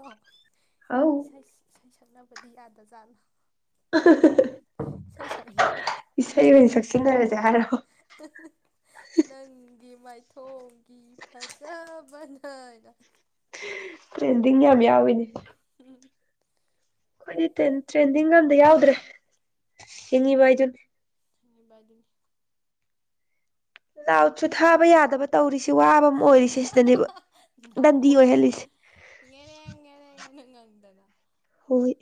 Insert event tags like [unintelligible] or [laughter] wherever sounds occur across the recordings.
ꯑꯣ ꯍꯥꯎ ꯏꯁꯩꯩꯁꯛꯅꯕꯗꯤ ꯌꯥꯗꯖꯥꯠꯂꯤ [inaudible] ꯁꯩ ꯁꯛꯅꯤꯡꯉꯦ ꯏꯁꯩ ꯑꯣꯏꯅ ꯁꯛꯆꯤꯟꯅꯔ ꯗꯦ ꯍꯥꯔꯣ [inaudible] ꯅꯪꯒꯤ ꯃꯥꯏꯊꯣꯡꯒꯤ ꯐꯖꯕꯅ ꯇ꯭ꯔꯦꯟꯗꯤꯡ ꯌꯥꯝ ꯌꯥꯎꯋꯤꯅꯦ ꯎꯝ ꯈꯣꯢꯗꯤ ꯇ꯭ꯔꯦꯟ ꯇ꯭ꯔꯦꯟꯗꯤꯡꯒ ꯑꯝꯇ ꯌꯥꯎꯗ꯭ꯔꯦ ꯍꯤꯡꯉꯤꯕꯗꯨꯅꯤ ꯍꯤꯡꯉꯤꯕꯗꯨꯅꯤ ꯂꯥꯎꯠꯁꯨ ꯊꯥꯕ ꯌꯥꯗꯕ ꯇꯧꯔꯤꯁꯦ ꯑꯍꯨꯝ ꯍꯨꯝ ꯍ ꯍ ꯍ ꯗꯟꯗꯤ ꯅꯥꯀꯣꯡꯁꯤꯗ ꯑꯣꯏꯍꯜꯂꯤꯁꯦ ꯉꯦꯔꯦꯡ ꯉꯦꯔꯦꯡ ꯉꯪ ꯉꯪꯗꯅ ꯍꯣꯏ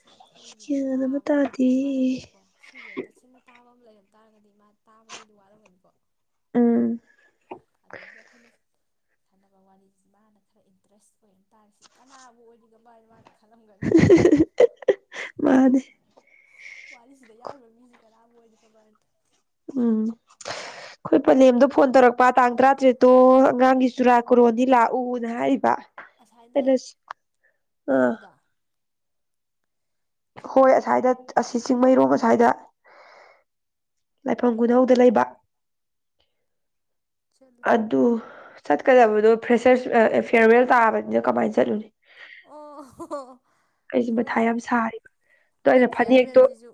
ꯁꯤ ꯑꯩꯈꯣꯏꯒꯤꯁꯦ ꯒ꯭ꯌꯥꯟ ꯑꯃ ꯇꯥꯕ ꯇꯥꯗꯦ ꯃꯤꯗꯨꯗꯤ ꯋꯥꯔꯝꯒꯅꯤꯀꯣ ꯁꯤꯁꯦ ꯇꯁꯤꯟꯅ ꯇꯥꯕ ꯂꯩꯔꯝ ꯇꯥꯔꯒꯗꯤ ꯃꯥ ꯇꯥꯕꯒꯤꯗꯤ ꯋꯥꯔꯝꯒꯅꯤꯀꯣ ꯎꯝ ꯑꯗꯒꯤ ꯑꯩꯈꯣꯏꯅ ꯁꯥꯟꯅꯕ ꯋꯥꯔꯤꯁꯤ ꯃꯥꯅ ꯈꯔ ꯏꯟꯇꯔꯦꯁ ꯑꯣꯏꯔ ꯇꯥꯔꯦꯁꯤ ꯀꯅꯥꯕꯨ ꯑꯣꯏꯔꯤꯒꯕꯅ ꯈꯜꯂꯝꯒꯅꯤ ꯃꯥꯅꯦ ꯋꯥꯔꯤꯁꯤꯗ ꯌꯥꯎꯔꯤꯕ ꯃꯤꯁꯦ ꯀꯅꯥꯕꯨ ꯑꯣꯏꯔꯤꯒꯕ ꯎꯝ ꯑꯩꯈꯣꯏ ꯄꯂꯦꯝꯗꯣ ꯐꯣꯟ ꯇꯧꯔꯛꯄ ꯇꯥꯡ ꯇꯔꯥꯇꯔꯦꯠꯇꯣ ꯑꯉꯥꯡꯒꯤ ꯆꯨꯔꯥ ꯀꯣꯔꯣꯟꯅꯤ ꯂꯥꯛꯎꯅ ꯍꯥꯏꯔꯤꯕ ꯑꯁꯥꯏꯗ ꯑꯩꯅ ꯑꯥ ꯍꯥꯏꯕꯗꯣ ꯆꯠꯂꯨ ꯍꯣꯏ ꯑꯁꯥꯏꯗꯠ ꯑꯁꯤ ꯆꯤꯡꯃꯩꯔꯣꯡ ꯑꯁ꯭ꯋꯥꯏꯗ ꯂꯥꯢꯐꯝ ꯈꯨꯅꯧꯗ ꯂꯩꯕ ꯆꯠꯂꯨ ꯑꯗꯨ ꯆꯠꯀꯗꯕꯗꯣ ꯐ꯭ꯔꯦꯁꯔꯁ ꯐ ꯐꯤꯌꯔꯋꯦꯜ ꯇꯥꯕꯅꯤꯅ ꯀꯃꯥꯏꯅ ꯆꯠꯂꯨꯅꯤ ꯑꯣ ꯑꯩꯁꯦ ꯃꯊꯥ ꯍꯣꯏꯅꯦ ꯌꯥꯝ ꯁꯥꯔꯤ ꯑꯗꯣ ꯅꯣꯏ ꯑꯩꯅ ꯐꯅꯦꯛꯇꯣ ꯐꯤꯌꯥꯔꯋꯦꯜꯁꯤꯁꯨ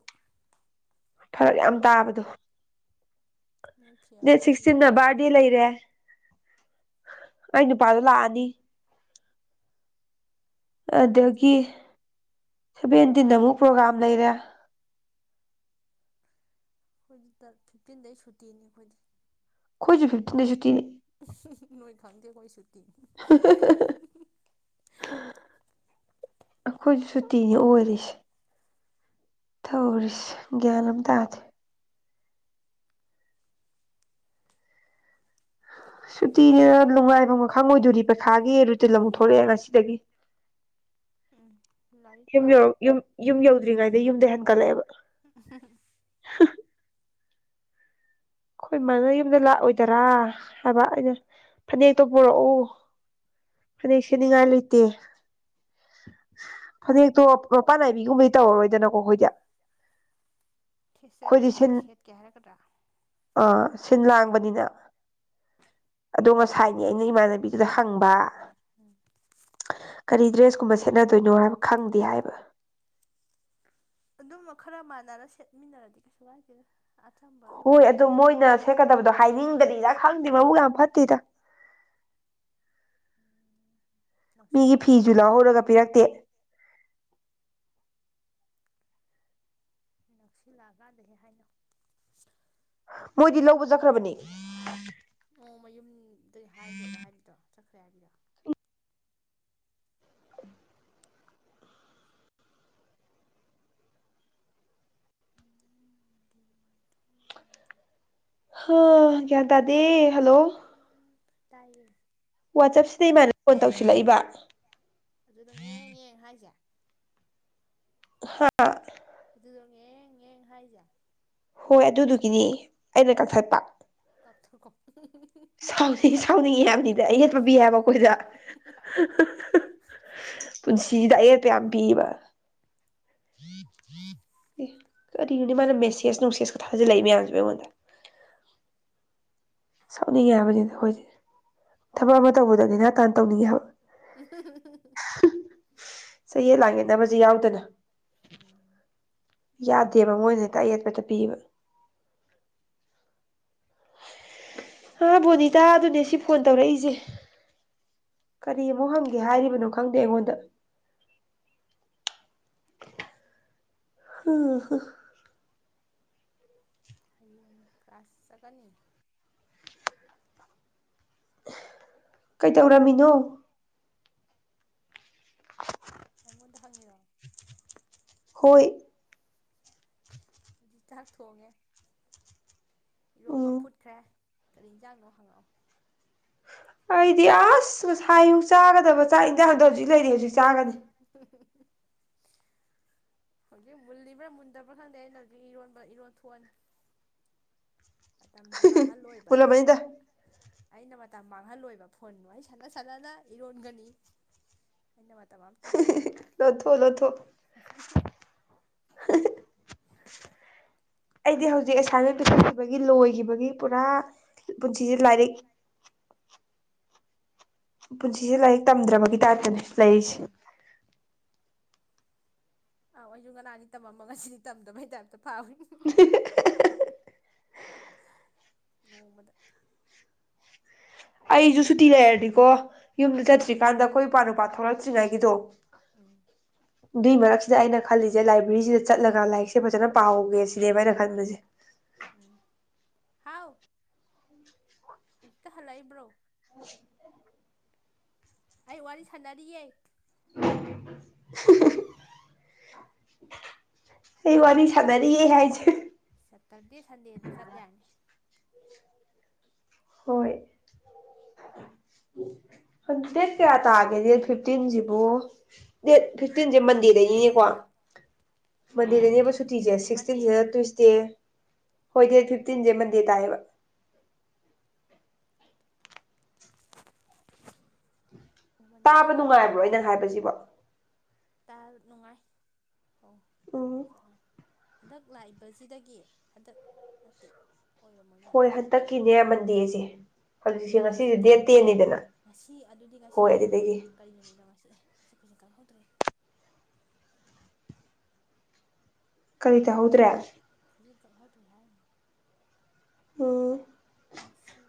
ꯐꯔꯛ ꯌꯥꯝ ꯇꯥꯕꯗꯣ ꯅꯣꯏ ꯗꯦꯠ ꯐꯤꯌꯥꯔꯋꯦꯜꯁꯤꯁꯨ ꯁꯤꯛꯁꯇꯤꯟꯅ ꯕꯥꯔꯗꯦ ꯐꯤꯌꯥꯔꯋꯦꯜ ꯂꯩꯔꯦ ꯑꯩ ꯅꯨꯄꯥꯗꯣ ꯂꯥꯛꯑꯅꯤ ꯋꯥꯔꯤꯁꯦ ꯑꯗꯒꯤ ꯁꯦꯚꯦꯟꯇꯤꯟꯗ ꯑꯃꯨꯛ ꯄ꯭ꯔꯣꯒ꯭ꯔꯥꯝ ꯂꯩꯔꯦ ꯍꯣꯢꯖꯤꯇꯟ ꯐꯤꯐꯇꯤꯟꯗꯩ ꯁꯨꯇꯤꯅꯤ ꯑꯩꯈꯣꯏꯗꯤ ꯈꯣꯢꯁꯨ ꯐꯤꯞꯇꯤꯟꯗꯩ ꯁꯨꯇꯤꯅꯦ ꯑꯥꯍꯨ ꯍꯨ ꯍꯨ ꯅꯣꯏ ꯈꯪꯗꯦ ꯑꯩꯈꯣꯢ ꯁꯨ ꯍꯥ ꯍꯥ ꯍꯥ ꯍꯥ ꯍꯥ ꯑꯩꯈꯣꯢꯁꯨ ꯁꯨꯇꯤꯅꯤ ꯑꯣꯏꯔꯤꯁꯦ ꯊꯧꯔꯤꯁꯦ ꯒ꯭ꯌꯥꯟ ꯑꯃ ꯇꯥꯗꯦ ꯁꯨꯇꯤꯅꯦꯅ ꯅꯨꯡꯉꯥꯏꯐꯝꯒ ꯈꯪꯉꯣꯏꯗꯣꯔꯤ ꯄꯩꯈꯥꯒꯤ ꯔꯨꯇꯤꯟ ꯑꯃꯨꯛ ꯊꯣꯛꯂꯛꯑꯦ ꯉꯁꯤꯗꯒꯤ ꯎꯝ ꯂꯥꯏꯔꯤꯛ ꯌꯨꯝ ꯄꯥꯎ ꯌꯧ ꯌꯨꯝ ꯌꯨꯝ ꯌꯧꯗ꯭ꯔꯤꯉꯥꯏ ꯃꯌꯨꯝꯗ ꯍꯦꯟꯀꯠꯂꯛꯑꯦꯕ ꯑꯥꯍꯥ ꯍꯥ ꯑꯩꯈꯣꯏ ꯃꯥꯅ ꯌꯨꯝꯗ ꯂꯥꯛꯑꯣꯏꯗꯔꯥ ꯍꯥꯏꯕ ꯑꯩꯅ ꯐꯅꯦꯛꯇꯣ ꯄꯨꯔꯛꯎ ꯐꯅꯦꯛ ꯁꯦꯅꯤꯉꯥꯏ ꯂꯩꯇꯦ ꯐꯅꯦꯛꯇꯣ ꯃꯄꯥꯟ ꯅꯥꯏꯕꯤꯒꯨꯝꯕꯗꯤ ꯇꯧꯔꯔꯣꯏꯗꯅꯀꯣ ꯑꯩꯈꯣꯏꯗꯤ ꯑꯩꯈꯣꯏꯗꯤ ꯊꯦꯠꯆꯅꯤꯡꯕꯗꯤ ꯁꯤꯟ ꯁꯦꯠꯀꯦ ꯍꯥꯏꯔꯛꯀꯗ꯭ꯔꯥ ꯑꯥ ꯁꯤꯟ ꯂꯥꯡꯕꯅꯤꯅ ꯑꯗꯣ ꯎꯝ ꯉꯁꯥꯏꯅꯤ ꯑꯩꯅ ꯏꯃꯥꯟꯅꯕꯤꯗꯨꯗ ꯍꯪꯕ ꯎꯝ ꯀꯔꯤ ꯗ꯭ꯔꯦꯁ ꯀꯨꯝꯕ ꯁꯦꯠꯅꯗꯣꯏꯅꯣ ꯍꯥꯏꯕ ꯈꯪꯗꯦ ꯍꯥꯏꯕ ꯑꯗꯨꯝ ꯈꯔ ꯃꯥꯟꯅꯔ ꯁꯦꯠꯃꯤꯟꯅꯔꯗꯤ ꯀꯩꯁꯨ ꯀꯥꯏꯗꯦꯗ ꯑꯆꯝꯕ ꯑꯗꯨꯝ ꯍꯣꯏ ꯑꯗꯨ ꯁꯦꯠꯂꯗꯤꯀꯣ ꯃꯣꯏꯅ ꯁꯦꯠꯀꯗꯕꯗꯣ ꯍꯥꯏꯅꯤꯡꯗ꯭ꯔꯤꯔ ꯈꯪ ꯗꯦ ꯃꯕꯨꯛ ꯌꯥꯝ ꯐꯇꯦꯗ ꯃꯤꯒꯤ ꯐꯤꯁꯨ ꯅꯛꯁꯤꯜꯂꯛꯑꯀꯥꯟꯗ ꯍꯥꯏꯅꯧ ꯂꯧꯍꯧꯔꯒ ꯄꯤꯔꯛꯇꯦ ꯅꯛꯁꯤꯜꯂꯛꯑꯀꯥꯟꯗ ꯍꯦꯛ ꯍꯥꯏꯅꯧ ꯃꯣꯏꯗꯤ ꯂꯧꯕ ꯆꯠꯈ꯭ꯔꯕꯅꯦ ꯃꯌꯨꯝ ꯑꯗꯨꯏ ꯍꯥꯏꯒꯦꯒ ꯍꯥꯏꯔꯤꯗꯣ ꯆꯠꯈ꯭ꯔꯦ ꯍꯥꯏꯔꯤꯔꯣ [inaudible] ꯍꯥ ꯒ꯭ꯋꯥꯟ ꯇꯥꯗꯦ ꯍꯜꯂꯣ ꯇꯏꯌꯦ ꯋꯥꯆꯞꯁꯤꯗ ꯏꯃꯥꯅꯕꯤ ꯐꯣꯟ ꯇꯧꯁꯤꯜꯂꯛꯏꯕ ꯑꯗꯨꯗ ꯉꯦꯡ ꯉꯦꯡ ꯍꯥꯏꯁꯦ ꯍꯥ ꯑꯗꯨꯗꯣ ꯉꯦꯡ ꯉꯦꯡ ꯍꯥꯏꯁꯦ ꯍꯣꯏ ꯑꯗꯨꯗꯨꯒꯤꯅꯤ ꯑꯩꯅ ꯀꯛꯊꯠꯄ ꯀꯥꯞꯊꯈꯣ ꯁꯥꯎ ꯁꯥꯎꯅꯤꯡꯉꯤ ꯍꯥꯏꯕꯅꯤꯗ ꯑꯌꯦꯠꯄ ꯄꯤ ꯍꯥꯏꯕ ꯑꯩꯈꯣꯏꯗ ꯍꯨ ꯍꯨ ꯍꯨ ꯄꯨꯟꯁꯤ ꯁꯤꯁꯤꯗ ꯑꯌꯦꯠꯄ ꯌꯥꯝ ꯄꯤꯑꯦꯕ ꯀꯔꯤꯅꯣꯅꯦ ꯃꯥꯅ ꯃꯦꯁꯦꯁ ꯅꯨꯡꯁꯦꯁꯀ ꯊꯥꯖꯤꯜꯂꯛꯏ ꯃꯌꯥꯝꯁꯤꯕꯣ ꯑꯩꯉꯣꯟꯗ ꯁꯥꯎꯅꯤꯡꯉꯦ ꯍꯥꯏꯕꯅꯤꯗ ꯑꯩꯈꯣꯏꯁꯦ ꯊꯕꯛ ꯑꯃ ꯇꯧꯕꯗ ꯅꯦꯅꯥꯇꯥꯅ ꯇꯧꯅꯤꯡꯉꯦ ꯍꯥꯏꯕ ꯎꯝ ꯍꯨꯝ ꯍꯨꯝ ꯍꯨꯝ ꯆꯌꯦꯠ ꯂꯥꯡꯌꯦꯠꯅꯕꯁꯦ ꯌꯥꯎꯗꯅ ꯎꯝ ꯌꯥꯗꯦꯕ ꯃꯣꯏꯅ ꯍꯦꯛꯇ ꯑꯌꯦꯠꯄꯇ ꯄꯤꯑꯦꯕ ꯑꯥ ꯕꯣꯅꯤꯇꯥ ꯑꯗꯨꯅꯦ ꯁꯤ ꯐꯣꯟ ꯇꯧꯔꯛꯏꯁꯦ ꯀꯔꯤ ꯑꯃꯨꯛ ꯍꯪꯒꯦ ꯍꯥꯏꯔꯤꯕꯅꯣ ꯈꯪꯗꯦ ꯑꯩꯉꯣꯟꯗ ꯍꯨ ꯍꯨ ꯍꯌꯦꯡ ꯀ꯭ꯂꯥꯁ ꯆꯠꯀꯅꯤ ꯀꯩꯗꯧꯔꯝꯃꯤꯅꯣ ꯑꯩꯉꯣꯟꯗ ꯍꯪꯉꯤꯔꯣ ꯍꯣꯏ ꯍꯧꯖꯤꯛ ꯆꯥꯛ ꯊꯣꯡꯉꯦ ꯏꯔꯣꯝꯕ ꯎꯝ ꯐꯨꯠꯈ꯭ꯔꯦ ꯀꯔꯤ ꯌꯦꯟꯖꯥꯡꯅꯣ ꯍꯪꯉꯛꯑꯣ ꯑꯩꯗꯤ ꯑꯁ ꯉꯁꯥꯏ ꯑꯌꯨꯛ ꯆꯥꯒꯗꯕ ꯆꯥꯛ ꯌꯦꯟꯖꯥꯡꯗꯣ ꯍꯧꯖꯤꯛ ꯂꯩꯔꯤ ꯍꯧꯖꯤꯛ ꯆꯥꯒꯅꯤ ꯍꯧꯖꯤꯛ ꯃꯨꯜꯂꯤꯕ꯭ꯔꯥ ꯃꯨꯟꯗꯕ꯭ꯔꯥ ꯈꯪꯗꯦ ꯑꯩꯅ ꯍꯧꯖꯤꯛ ꯏꯔꯣꯟꯕ ꯏꯔꯣꯟ ꯊꯣꯛꯑꯅꯤ ꯃꯥꯇꯝ ꯃꯥꯡꯍꯜꯂꯣꯏꯕ ꯑꯩꯅ ꯃꯨꯜꯂꯝꯃꯅꯤꯗ ꯑꯩꯅ ꯃꯇꯝ ꯃꯥꯡꯍꯜꯂꯣꯏꯕ ꯐꯣꯟ ꯋꯥꯔꯤ ꯁꯥꯟꯅ ꯁꯥꯟꯅꯅ ꯏꯔꯣꯟꯒꯅꯤ ꯑꯩꯅ ꯃꯇꯝ ꯑꯃꯇ ꯃꯥꯡꯍꯜꯂꯣꯏ ꯂꯣꯟꯊꯣꯛ ꯂꯣꯟꯊꯣꯛ ꯑꯩꯗꯤ ꯍꯧꯖꯤꯛ ꯑꯦꯁꯥꯏꯟꯃꯦꯟ ꯄꯤꯊꯣꯛꯈꯤꯕꯒꯤ ꯂꯣꯏꯈꯤꯕꯒꯤ ꯄꯨꯔꯥ ꯄꯨꯟꯁꯤꯁꯦ ꯂꯥꯏꯔꯤꯛ ꯄꯨꯟꯖꯤꯁꯦ ꯂꯥꯏꯛ ꯇꯝꯗ꯭ꯔꯕꯒꯤ ꯇꯥꯏꯞꯇꯅꯤ ꯂꯩꯔꯤꯁꯦ ꯑꯩ ꯑꯧ ꯑꯩꯁꯨ ꯉꯅꯥꯅꯤ ꯇꯝꯃꯝꯃ ꯉꯁꯤꯗꯤ ꯇꯝꯗꯕꯩ ꯇꯥꯏꯞꯇ ꯐꯥꯎꯏ ꯅꯣꯡꯃꯗ ꯑꯩꯁꯨ ꯁꯨꯇꯤ ꯂꯩꯔꯗꯤꯀꯣ ꯌꯨꯝꯗ ꯆꯠꯇ꯭ꯔꯤꯀꯥꯟꯗ ꯑꯩꯈꯣꯏ ꯏꯄꯥ ꯅꯨꯨꯄꯥ ꯊꯣꯛꯂꯛꯇ꯭ꯔꯤꯉꯩꯒꯤꯗꯣ ꯎꯝ ꯑꯗꯨꯏ ꯃꯔꯛꯁꯤꯗ ꯑꯩꯅ ꯈꯜꯂꯤꯁꯦ ꯂꯥꯏꯕ꯭ꯔꯦꯔꯤꯁꯤꯗ ꯆꯠꯂꯒ ꯂꯥꯏꯔꯤꯛꯁꯦ ꯐꯖꯅ ꯄꯥꯍꯧꯒꯦ ꯁꯤꯅꯦꯕ ꯑꯩꯅ ꯈꯟꯕꯁꯦ ꯍꯥꯎ ꯍꯧꯖꯤꯛꯇ ꯍꯜꯂꯛꯏꯕꯔꯣ [unintelligible] ꯑꯩ ꯋꯥꯔꯤ ꯁꯥꯟꯅꯔꯤꯌꯦ ꯍꯨ ꯍꯨ ꯍꯨ ꯑꯩ ꯋꯥꯔꯤ ꯁꯥꯟꯅꯔꯤꯌꯦ ꯍꯥꯏꯖꯦ ꯁꯇꯔꯗꯦ ꯁꯟꯗꯦꯗ ꯆꯠ ꯌꯥꯅꯤ ꯍꯣꯏ ꯗꯦꯠ ꯀꯌꯥ ꯇꯥꯒꯦ ꯗꯦꯠ ꯐꯤꯐꯇꯤꯟꯁꯤꯕꯨ ꯗꯦꯠ ꯐꯤꯐꯇꯤꯟꯁꯦ ꯃꯟꯗꯦꯗꯩꯅꯤꯅꯦꯀꯣ ꯃꯟꯗꯦꯗꯅꯦꯕ ꯗꯦꯠ ꯁꯨꯇꯤꯁꯦ ꯐꯤꯐꯇꯤꯟꯁꯤ ꯃꯟꯗꯦ ꯁꯤꯛꯁꯇꯤꯟꯁꯤꯅ ꯇꯨꯏꯁꯗꯦ ꯍꯣꯏ ꯗꯦꯠ ꯐꯤꯞꯇꯤꯟꯁꯦ ꯃꯟꯗꯦ ꯇꯥꯏꯌꯦꯕ ꯇꯥꯕ ꯃꯟꯗꯦꯗꯩꯅꯦꯕ ꯅꯨꯡꯉꯥꯏꯕ꯭ꯔꯣ ꯑꯩꯅ ꯍꯥꯏꯕꯁꯤꯕꯨ ꯇ ꯅꯨꯡꯉꯥꯏ ꯍꯣ ꯑꯗꯨꯗꯤ ꯎꯝ ꯆꯔ ꯍꯟꯗꯛ ꯂꯥꯛꯏꯕꯁꯤꯗꯒꯤ ꯍꯟꯗꯛ ꯅꯠꯇꯦ ꯑꯣꯏꯔꯝꯃꯣꯏꯅ ꯍꯣꯏ ꯑꯣꯏ ꯍꯟꯇꯛꯀꯤꯅꯦ ꯃꯟꯗꯦꯁꯦ ꯍꯧꯖꯤꯛꯁꯦ ꯁꯤꯗꯒꯤ ꯉꯁꯤꯁꯦ ꯁꯨꯇꯤ ꯗꯦꯠ ꯇꯦꯟꯅꯤꯗꯅ ꯉꯁꯤ ꯑꯗꯨꯗꯤ ꯍꯣꯏ ꯉꯁꯤ ꯑꯗꯨꯗꯒꯤ ꯀꯔꯤ ꯅꯨꯃꯤꯠꯅꯣ ꯉꯁꯤ ꯑꯦ ꯉꯁꯤ ꯈꯨꯖꯤꯟ ꯀꯛꯍꯧꯗ꯭ꯔꯦ ꯀꯔꯤ ꯇꯥꯍꯧꯗ꯭ꯔꯦ ꯍꯧꯖꯤꯛ ꯀꯛꯍꯧꯗ꯭ꯔꯦ ꯍꯥꯏꯅꯨ ꯎꯝ ꯉꯁꯤ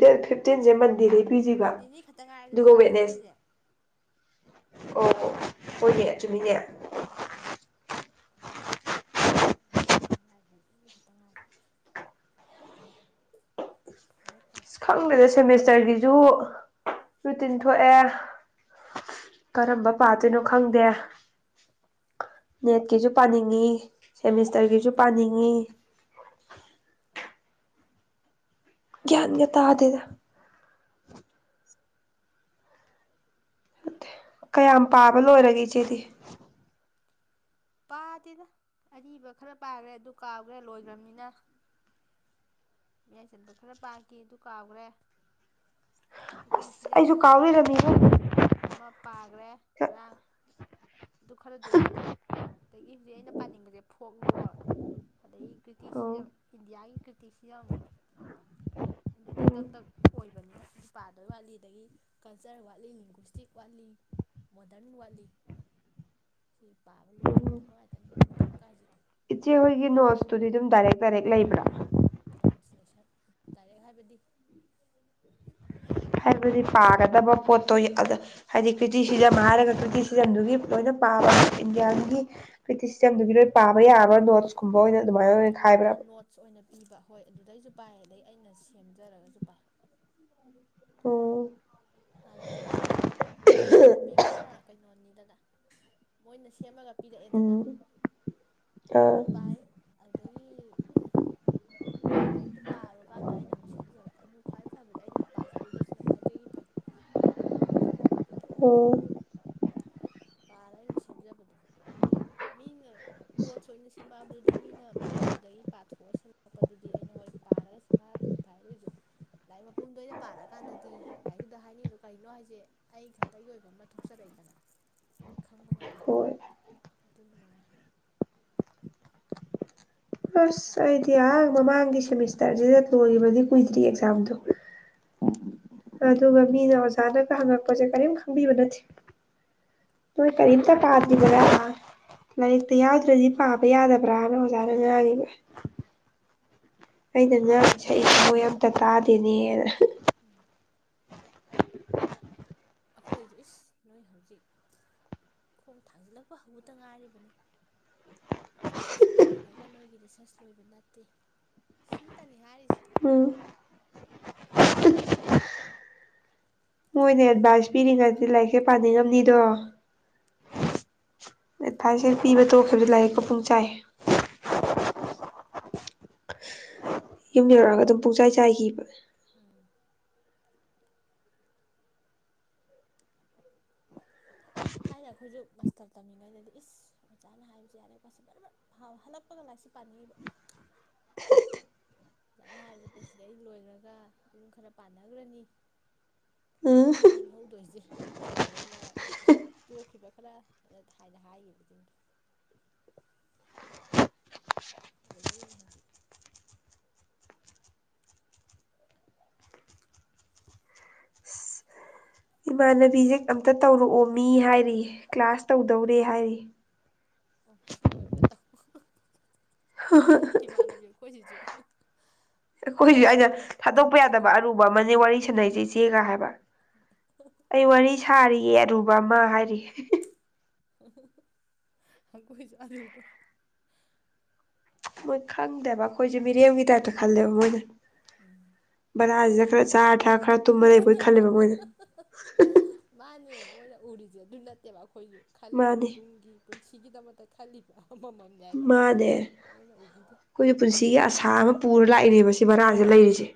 ꯗꯦꯠ ꯐꯤꯞꯇꯤꯟꯁꯦ ꯃꯟ ꯗꯗꯤꯜꯂꯤ ꯄꯤꯖꯕ ꯅꯨꯃꯤꯠ ꯅꯤꯅꯤ ꯈꯛꯇ ꯉꯥꯏꯔꯦ ꯑꯗꯨꯗꯤ ꯑꯗꯨꯒ ꯀ꯭ꯂꯥꯁ ꯋꯦꯠꯅꯦꯁ ꯆꯠꯇꯣꯏꯁꯦ ꯑꯣ ꯑꯣ ꯍꯣꯏꯅꯦ ꯆꯨꯝꯃꯤꯅꯦ ꯃꯅꯤ ꯈꯛꯇ ꯉꯥꯏꯔꯦ ꯅꯨꯄꯤꯅꯤ ꯈꯛꯇ ꯉꯥꯏꯔꯦ ꯐꯔꯦ ꯐ ꯑꯁ ꯈꯪꯗꯗ ꯁꯦꯃꯤꯁꯇꯔꯒꯤꯁꯨ ꯔꯨꯇꯤꯟ ꯊꯣꯛꯑꯦ ꯀꯔꯝꯕ ꯄꯥꯠꯇꯣꯏꯅꯣ ꯈꯪꯗꯦ ꯅꯦꯠꯀꯤꯁꯨ ꯄꯥꯅꯤꯡꯉꯤ ꯁꯦꯃꯤꯁꯇꯔꯒꯤꯁꯨ ꯄꯥꯅꯤꯡꯉꯤ ꯒꯤꯌꯥꯟ ꯒ ꯇꯥꯗꯦꯗ ꯀꯌꯥꯝ ꯄꯥꯕ ꯂꯣꯏꯔꯒꯦ ꯏꯆꯦꯗꯤ ꯄꯥꯗꯦꯅ ꯑꯔꯤꯕ ꯈꯔ ꯄꯥꯈ꯭ꯔꯦ ꯑꯗꯨ ꯀꯥꯎꯈ꯭ꯔꯦ ꯂꯣꯏꯒ꯭ꯔꯅꯤꯅ ꯃꯌꯥꯏ ꯆꯟꯕ ꯈꯔ ꯄꯥꯈꯤ ꯑꯗꯨ ꯀꯥꯎꯒ꯭ꯔꯦ ꯇꯤꯇꯤ ꯑꯁ ꯁꯤꯖꯝ ꯑꯩꯁꯨ ꯀꯥꯎ ꯂꯩꯔꯝꯃꯤꯉꯣ ꯑꯃ ꯄꯥꯒ꯭ꯔꯦ ꯉꯔꯥꯡ ꯑꯗꯨ ꯈꯔꯗꯤ ꯋꯥꯠꯂꯤ ꯑꯗꯒꯤ ꯍꯧꯖꯤꯛ ꯑꯩꯅ ꯄꯥꯅꯤꯡꯕꯁꯦ ꯐꯣꯛꯂꯣꯔ ꯑꯗꯗꯒꯤ ꯀ꯭ꯔꯤꯇꯤꯁꯤꯖꯝ ꯑꯣ ꯏꯟꯗꯤꯌꯥꯒꯤ ꯀ꯭ꯔꯤꯇꯤꯁꯤ ꯌꯥꯝ ꯑꯗꯨꯗꯤ ꯎꯝ ꯗꯛ ꯗꯛ ꯑꯣꯏꯕꯅꯤꯅ ꯑꯗꯨ ꯄꯥꯗꯣꯏ ꯋꯥꯠꯂꯤ ꯑꯗꯒꯤ ꯀꯜꯆꯔ ꯋꯥꯠꯂꯤ ꯂꯦꯡꯒ꯭ꯋꯨꯁꯇꯤꯛ ꯋꯥꯠꯂꯤ ꯃꯣꯗꯔꯟ ꯋꯥꯠꯂꯤ ꯁꯤ ꯄꯥꯕ ꯎꯝ ꯂꯣꯏꯕꯗꯕ ꯅꯨꯉꯥꯏꯗꯣꯏꯅꯤ ꯃꯣꯗꯔꯟ ꯀꯥꯏꯁꯤꯗꯤ ꯏꯆꯦ ꯍꯣꯏꯒꯤ ꯅꯣꯠꯁꯇꯨꯗꯤ ꯑꯗꯨꯝ ꯗꯥꯏꯔꯦꯛ ꯗꯥꯏꯔꯦꯛ ꯂꯩꯕ꯭ꯔ ꯇꯥꯔꯦ ꯍꯥꯏꯕꯗꯤ ꯍꯥꯏꯕꯗꯤ ꯄꯥꯒꯗꯕ ꯄꯣꯠꯇꯣ ꯍꯥꯏꯗꯤ ꯀ꯭ꯔꯤꯇꯤꯁꯤꯖꯝ ꯍꯥꯏꯔꯒ ꯀ꯭ꯔꯤꯇꯤꯁꯤꯖꯝꯗꯨꯒꯤ ꯂꯣꯏꯅ ꯄꯥꯕ ꯏꯟꯗꯤꯌꯥꯟꯒꯤ ꯀ꯭ꯔꯤꯇꯤꯁꯤꯖꯝꯗꯨꯒꯤ ꯂꯣꯏ ꯄꯥꯕ ꯌꯥꯕ꯭ꯔꯥ ꯅꯣꯇ ꯀꯨꯝꯕ ꯑꯣꯏꯅ ꯑꯗꯨꯃꯥꯏꯅ ꯑꯣꯏꯅ ꯈꯥꯏꯕ꯭ꯔꯕ ꯅꯣꯠꯁ ꯑꯣꯏꯅ ꯄꯤꯕ ꯍꯣꯏ ꯑꯗꯨꯗꯩꯁꯨ ꯄꯥꯏ ꯑꯗꯩ ꯑꯩꯅ ꯁꯦꯝꯖꯔꯒꯁꯨ ꯄꯥꯏ ꯑꯣ ꯍꯥꯟꯅ ꯇꯨꯏꯁꯟꯗ ꯄꯤꯕꯅ ꯀꯩꯅꯣꯅꯤꯗ ꯃꯣꯏꯅ ꯁꯦꯝꯃꯒ ꯄꯤꯔꯛꯑꯦꯗꯅ ꯑꯥ ꯑꯗꯨꯁꯨ ꯄꯥꯏ ꯑꯗꯒꯤ ꯂꯥꯏꯔꯤꯛꯇꯨ ꯄꯥꯔꯨꯀꯥꯟꯗ ꯑꯩꯅ ꯑꯃꯨꯛ ꯁꯦꯝꯖꯕ ꯑꯗꯨ ꯈ꯭ꯋꯥꯏ ꯐꯕꯗ ꯑꯩꯅ ꯄꯥꯖꯔꯨꯕꯁꯤꯅ ꯈ꯭ꯋꯥꯏꯗꯒꯤ ꯐꯩ ꯑꯣ ꯄꯥꯔ ꯑꯩꯅ ꯁꯦꯝꯖꯕꯗꯣ ꯍꯥꯏꯗꯤ ꯃꯤꯅ ꯅꯣꯠꯁ ꯑꯣꯏꯅ ꯁꯦꯝꯃꯛꯑꯕꯗꯨꯗꯤ ꯃꯤꯅ ꯃꯄꯨꯝꯗꯨꯗꯒꯤ ꯄꯥꯊꯣꯛꯑ ꯁꯦꯝꯃꯛꯄꯗꯨꯗꯤ ꯑꯩꯅ ꯍꯣꯏ ꯄꯥꯔꯒꯗꯤ ꯐꯕꯨꯗꯤ ꯐꯥꯏ ꯑꯗꯨꯑꯣꯏꯁꯨ ꯂꯥꯏꯔꯤꯛ ꯃꯄꯨꯝꯗ ꯑꯣꯏꯅ ꯄꯥꯔꯛꯑꯀꯥꯟꯗꯗꯤ ꯂꯥꯏꯔꯤꯛꯇꯨꯗ ꯍꯥꯏꯅꯤꯡꯉꯤꯗꯣ ꯀꯩꯅꯣ ꯍꯥꯏꯁꯦ ꯑꯩ ꯈꯛꯇꯒꯤ ꯑꯣꯏꯕ ꯑꯃ ꯊꯣꯛꯆꯔꯛꯏꯗꯅ ꯈꯪꯕ ꯉꯝꯕ ꯑꯃ ꯍꯣꯏ ꯑꯗꯨꯅ ꯅꯨꯡꯉꯥꯏ ꯑꯗꯨ ꯈꯔ ꯑꯁ ꯄꯥꯏ ꯑꯩꯗꯤ ꯑ ꯃꯃꯪꯒꯤ ꯁꯦꯃꯤꯁꯇꯔꯁꯤꯗ ꯂꯣꯏꯕꯗꯤ ꯀꯨꯏꯗ꯭ꯔꯤ ꯑꯦꯛꯖꯥꯝꯗꯣ ꯑꯗꯨꯒ ꯃꯤꯅ ꯑꯣꯖꯥꯅꯒ ꯍꯪꯉꯛꯄꯁꯦ ꯀꯔꯤꯝ ꯈꯪꯕꯤꯕ ꯅꯠꯇꯦ ꯅꯣꯏ ꯑꯗꯩ ꯀꯔꯤꯝꯇ ꯄꯥꯗ꯭ꯔꯤꯕꯔꯥ ꯍꯥ ꯂꯥꯏꯔꯤꯛꯇ ꯌꯥꯎꯗ꯭ꯔꯗꯤ ꯄꯥꯕ ꯌꯥꯗꯕ꯭ꯔ ꯍꯥꯏꯅ ꯑꯣꯖꯥꯅ ꯉꯥꯡꯉꯤ ꯑꯩꯅ ꯉꯥꯡ ꯁꯩꯛꯏ ꯃꯣꯏ ꯑꯝꯇ ꯇꯥꯗꯦꯅꯦꯅ [inaudible] ꯑꯩꯈꯣꯏꯁꯨ ꯏꯁ ꯅꯣꯏ ꯍꯧꯖꯤꯛ ꯈꯣꯡ ꯊꯥꯡꯖꯤꯜꯂꯛꯄ ꯍꯧꯕꯗ ꯉꯥꯏꯔꯤꯕꯅꯤ ꯊꯦꯁꯤꯁ ꯑꯃ ꯏꯔꯒ ꯅꯣꯏꯒꯤ ꯔꯤꯁꯔꯁ ꯂꯣꯏꯕ ꯅꯠꯇꯦ ꯁꯤꯇꯅꯤ ꯍꯥꯏꯔꯤꯁꯤ ꯎꯝ ꯃꯣꯏꯅ ꯑꯦꯗꯚꯥꯏꯁ ꯄꯤꯔꯤꯉꯩꯗꯤ ꯂꯥꯏꯔꯤꯛꯁꯦ ꯄꯥꯅꯤꯡꯉꯝꯅꯤꯗꯣ ꯎꯝ ꯑꯦꯠꯚꯥꯏꯁ ꯍꯦꯛ ꯄꯤꯕ ꯇꯣꯛꯈꯤꯕꯗꯤ ꯂꯥꯏꯔꯤꯛꯀ ꯄꯨꯡꯆꯥꯏ ꯌꯨꯝ ꯌꯧꯔꯛꯑꯒ ꯑꯗꯨꯝ ꯄꯨꯡꯆꯥꯏ ꯆꯥꯏꯒꯤꯕ ꯎꯝ ꯊꯥꯏꯅ ꯑꯩꯈꯣꯏꯁꯨ ꯃꯁꯇꯔ ꯇꯝꯃꯤꯉꯩꯗꯗꯤ ꯏꯁ ꯑꯣꯖꯥꯅ ꯍꯥꯏꯕꯁꯨ ꯌꯥꯔꯦ ꯍꯜꯂꯛꯄꯒ ꯂꯥꯏꯔꯤꯛꯁꯤ ꯄꯥꯅꯤꯡꯉꯤꯕ ꯑꯣꯖꯥꯅ ꯍꯥꯏꯕꯗꯨꯗ ꯁꯤꯗꯩ ꯂꯣꯏꯈ꯭ꯔꯒ ꯑꯗꯨꯝ ꯈꯔ ꯄꯥꯟꯅꯈ꯭ꯔꯅꯤ ꯈꯔ ꯎꯝ ꯈꯇꯅꯤ ꯂꯦꯝꯍꯧꯗꯣꯏꯁꯦ ꯈꯔ ꯈꯔꯅ ꯇꯣꯛꯈꯤꯕ ꯈꯔ ꯍꯥꯏꯅ ꯍꯥꯏꯈꯤꯕꯁꯤꯡ [inaudible] ꯏꯃꯥꯟꯅꯕꯤꯁꯦ ꯑꯝꯇ ꯇꯧꯔꯛꯑꯣ ꯃꯤ ꯍꯥꯏꯔꯤ ꯀ꯭ꯂꯥꯁ ꯇꯧꯗꯧꯔꯦ ꯍꯥꯏꯔꯤ ꯑꯣ ꯁꯤꯂꯣꯏꯔ ꯇꯧ [inaudible] ꯍꯤꯃꯅꯕꯤ ꯑꯩꯈꯣꯏꯁꯤꯖꯨ ꯑꯩꯈꯣꯏꯁꯨ ꯑꯩꯅ ꯊꯥꯗꯣꯛꯄ ꯌꯥꯗꯕ ꯑꯔꯨꯕ ꯑꯃꯅꯦ ꯋꯥꯔꯤ ꯁꯥꯟꯅꯩꯁꯦ ꯗꯦꯒ ꯍꯥꯏꯕ ꯑꯩ ꯋꯥꯔꯤ ꯁꯥꯔꯤꯌꯦ ꯑꯔꯨꯕ ꯑꯃ ꯍꯥꯏꯔꯤ ꯍꯥ ꯍꯥ ꯍꯥ ꯑꯩꯈꯣꯏꯁꯨ ꯑꯂꯨꯒꯥ ꯃꯣꯏ ꯈꯪꯗꯦꯕ ꯑꯩꯈꯣꯏꯁꯦ ꯃꯤꯔꯦꯝꯒꯤ ꯇꯥꯏꯞꯇ ꯈꯜꯂꯦꯕ ꯃꯣꯏꯅ ꯎꯝ ꯈꯔ ꯆꯥꯔ ꯊꯛ ꯃꯥꯅꯦ ꯃꯣꯏꯅ ꯎꯔꯤ ꯑꯗꯨ ꯅꯠꯇꯦꯕ ꯑꯩꯈꯣꯏꯁꯨ ꯈꯜꯂꯤꯕꯅꯤ ꯃꯥꯅꯦ ꯇꯨꯡꯒꯤ ꯄꯨꯟ ꯁꯤꯒꯤꯗꯃꯛꯇ ꯈꯜꯂꯤꯕ ꯑꯃꯃꯝꯅꯦ ꯍꯥꯏꯕ ꯃꯥꯅꯦ ꯃꯣꯏꯅ ꯎꯕꯤꯗꯦ ꯑꯩꯈꯣꯏꯁꯨ ꯄꯨꯟꯁꯤꯒꯤ ꯑꯁꯥ ꯑꯃ ꯄꯨꯔ ꯂꯥꯛꯏꯅꯦꯕ ꯁꯤ ꯕꯔꯥꯁꯦ ꯂꯩꯔꯤꯁꯦ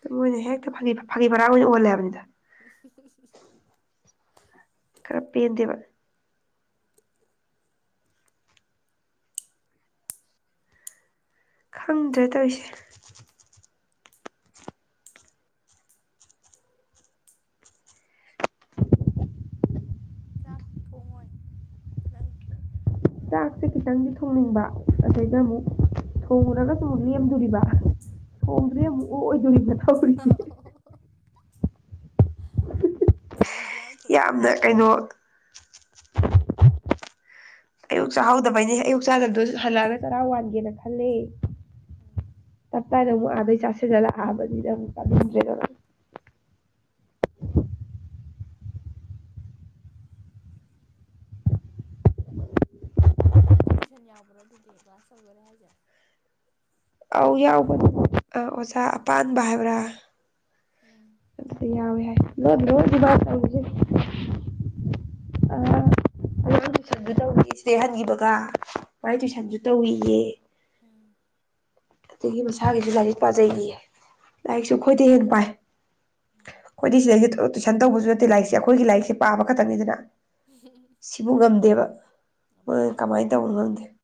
ꯗꯣ ꯃꯣꯏꯅ ꯍꯦꯛꯇ ꯐꯥꯒꯤ ꯃꯥꯜꯂꯦ ꯐꯥꯒꯤ ꯐꯔꯥꯡ ꯑꯣꯏꯅ ꯎꯍꯜꯂꯦ ꯍꯥꯏꯕꯅꯤꯗ ꯈꯔ ꯄꯦꯟꯗꯦꯕ ꯈꯔ ꯈꯪꯗ꯭ꯔꯦ ꯄꯦꯟꯗꯦꯕ ꯇꯧꯔꯤꯁꯦ ꯆꯥꯛ ꯊꯣꯡꯉꯣꯏ ꯅꯪ ꯆꯥꯛꯁꯦ ꯈꯤꯇꯪꯗꯤ ꯊꯣꯡꯅꯤꯡꯕ ꯑꯗꯩꯪꯗ ꯑꯃꯨꯛ ꯊꯣꯡꯉꯨꯔꯒꯁꯨ ꯑꯃꯨꯛ ꯂꯦꯝꯗꯣꯔꯤꯕ ꯊꯣꯡꯗ꯭ꯔꯦ ꯑꯃꯨꯛ ꯑꯣꯛꯑꯣꯏ [unintelligible] ꯍꯌꯦꯡꯒꯤ ꯌꯥꯝ ꯊꯣꯡꯖꯤꯜꯂꯨ ꯌꯥꯝꯅ ꯀꯩꯅꯣ ꯑꯌꯨꯛ ꯆꯥꯍꯧꯗꯕꯩꯅꯦ ꯑꯌꯨꯛ ꯆꯥꯗꯕꯗꯨꯁꯨ ꯍꯜꯂꯛꯑꯒ ꯆꯔꯥ ꯋꯥꯟꯒꯦꯅ ꯈꯜꯂꯦ ꯎꯝ ꯇꯥꯏꯅꯛ ꯑꯗꯩ ꯆꯥꯁꯤꯜꯂꯒ ꯂꯥꯛꯑꯕꯅꯤꯅ ꯑꯃꯨꯛ ꯆꯥꯅꯤꯡꯗ꯭ꯔꯦꯗꯅ ꯅꯃꯥꯟꯅꯕꯤ ꯇꯨꯏꯁꯟ ꯌꯥꯎꯕ꯭ꯔꯣ ꯑꯗꯨꯗꯤ ꯀ꯭ꯂꯥꯁ ꯇꯧꯗꯣꯔꯦ ꯍꯥꯏꯁꯦ ꯑꯧ ꯌꯥꯎꯕꯅꯦ ꯑꯥ ꯑꯣꯖꯥ ꯑꯄꯥꯟꯕ ꯍꯥꯏꯕ꯭ꯔꯥ ꯎꯝ ꯑꯗꯨꯗꯤ ꯌꯥꯎꯋꯦ ꯍꯥꯏ ꯂꯣꯟꯅ ꯂꯣꯟꯅꯅꯤ ꯃꯥ ꯇꯧꯔꯤꯁꯦ ꯑꯥ ꯑꯉꯥꯡ ꯇꯨꯏꯁꯟꯖꯨ ꯇꯧꯔꯤ ꯁꯤꯗꯩ ꯍꯟꯈꯤꯕꯒ ꯑꯩ ꯎꯝ ꯇꯨꯏꯁꯟꯁꯨ ꯇꯧꯏꯌꯦ ꯎꯝ ꯑꯗꯒꯤ ꯃꯁꯥꯒꯤꯁꯨ ꯂꯥꯏꯔꯤꯛ ꯄꯥꯖꯩꯌꯦ ꯂꯥꯏꯔꯤꯛꯁꯨ ꯈꯣꯏꯗꯩ ꯍꯦꯟꯅ ꯄꯥꯏ ꯎꯝ ꯑꯩꯈꯣꯏꯗꯤ ꯁꯤꯗꯩꯗ ꯇꯨꯏꯁꯟ ꯇꯧꯕꯁꯨ ꯅꯠꯇꯦ ꯂꯥꯏꯔꯤꯛꯁꯦ ꯑꯩꯈꯣꯏꯒꯤ ꯂꯥꯏꯔꯤꯛꯁꯦ ꯄꯥꯕ ꯈꯛꯇꯪꯅꯤꯗꯅ ꯁꯤꯕꯨ ꯉꯝꯗꯦꯕ ꯉꯝꯗꯦ [unintelligible] ꯑꯩꯈꯣꯏ ꯀꯃꯥꯏ ꯇꯧꯕꯅꯣ ꯈꯪꯗꯦ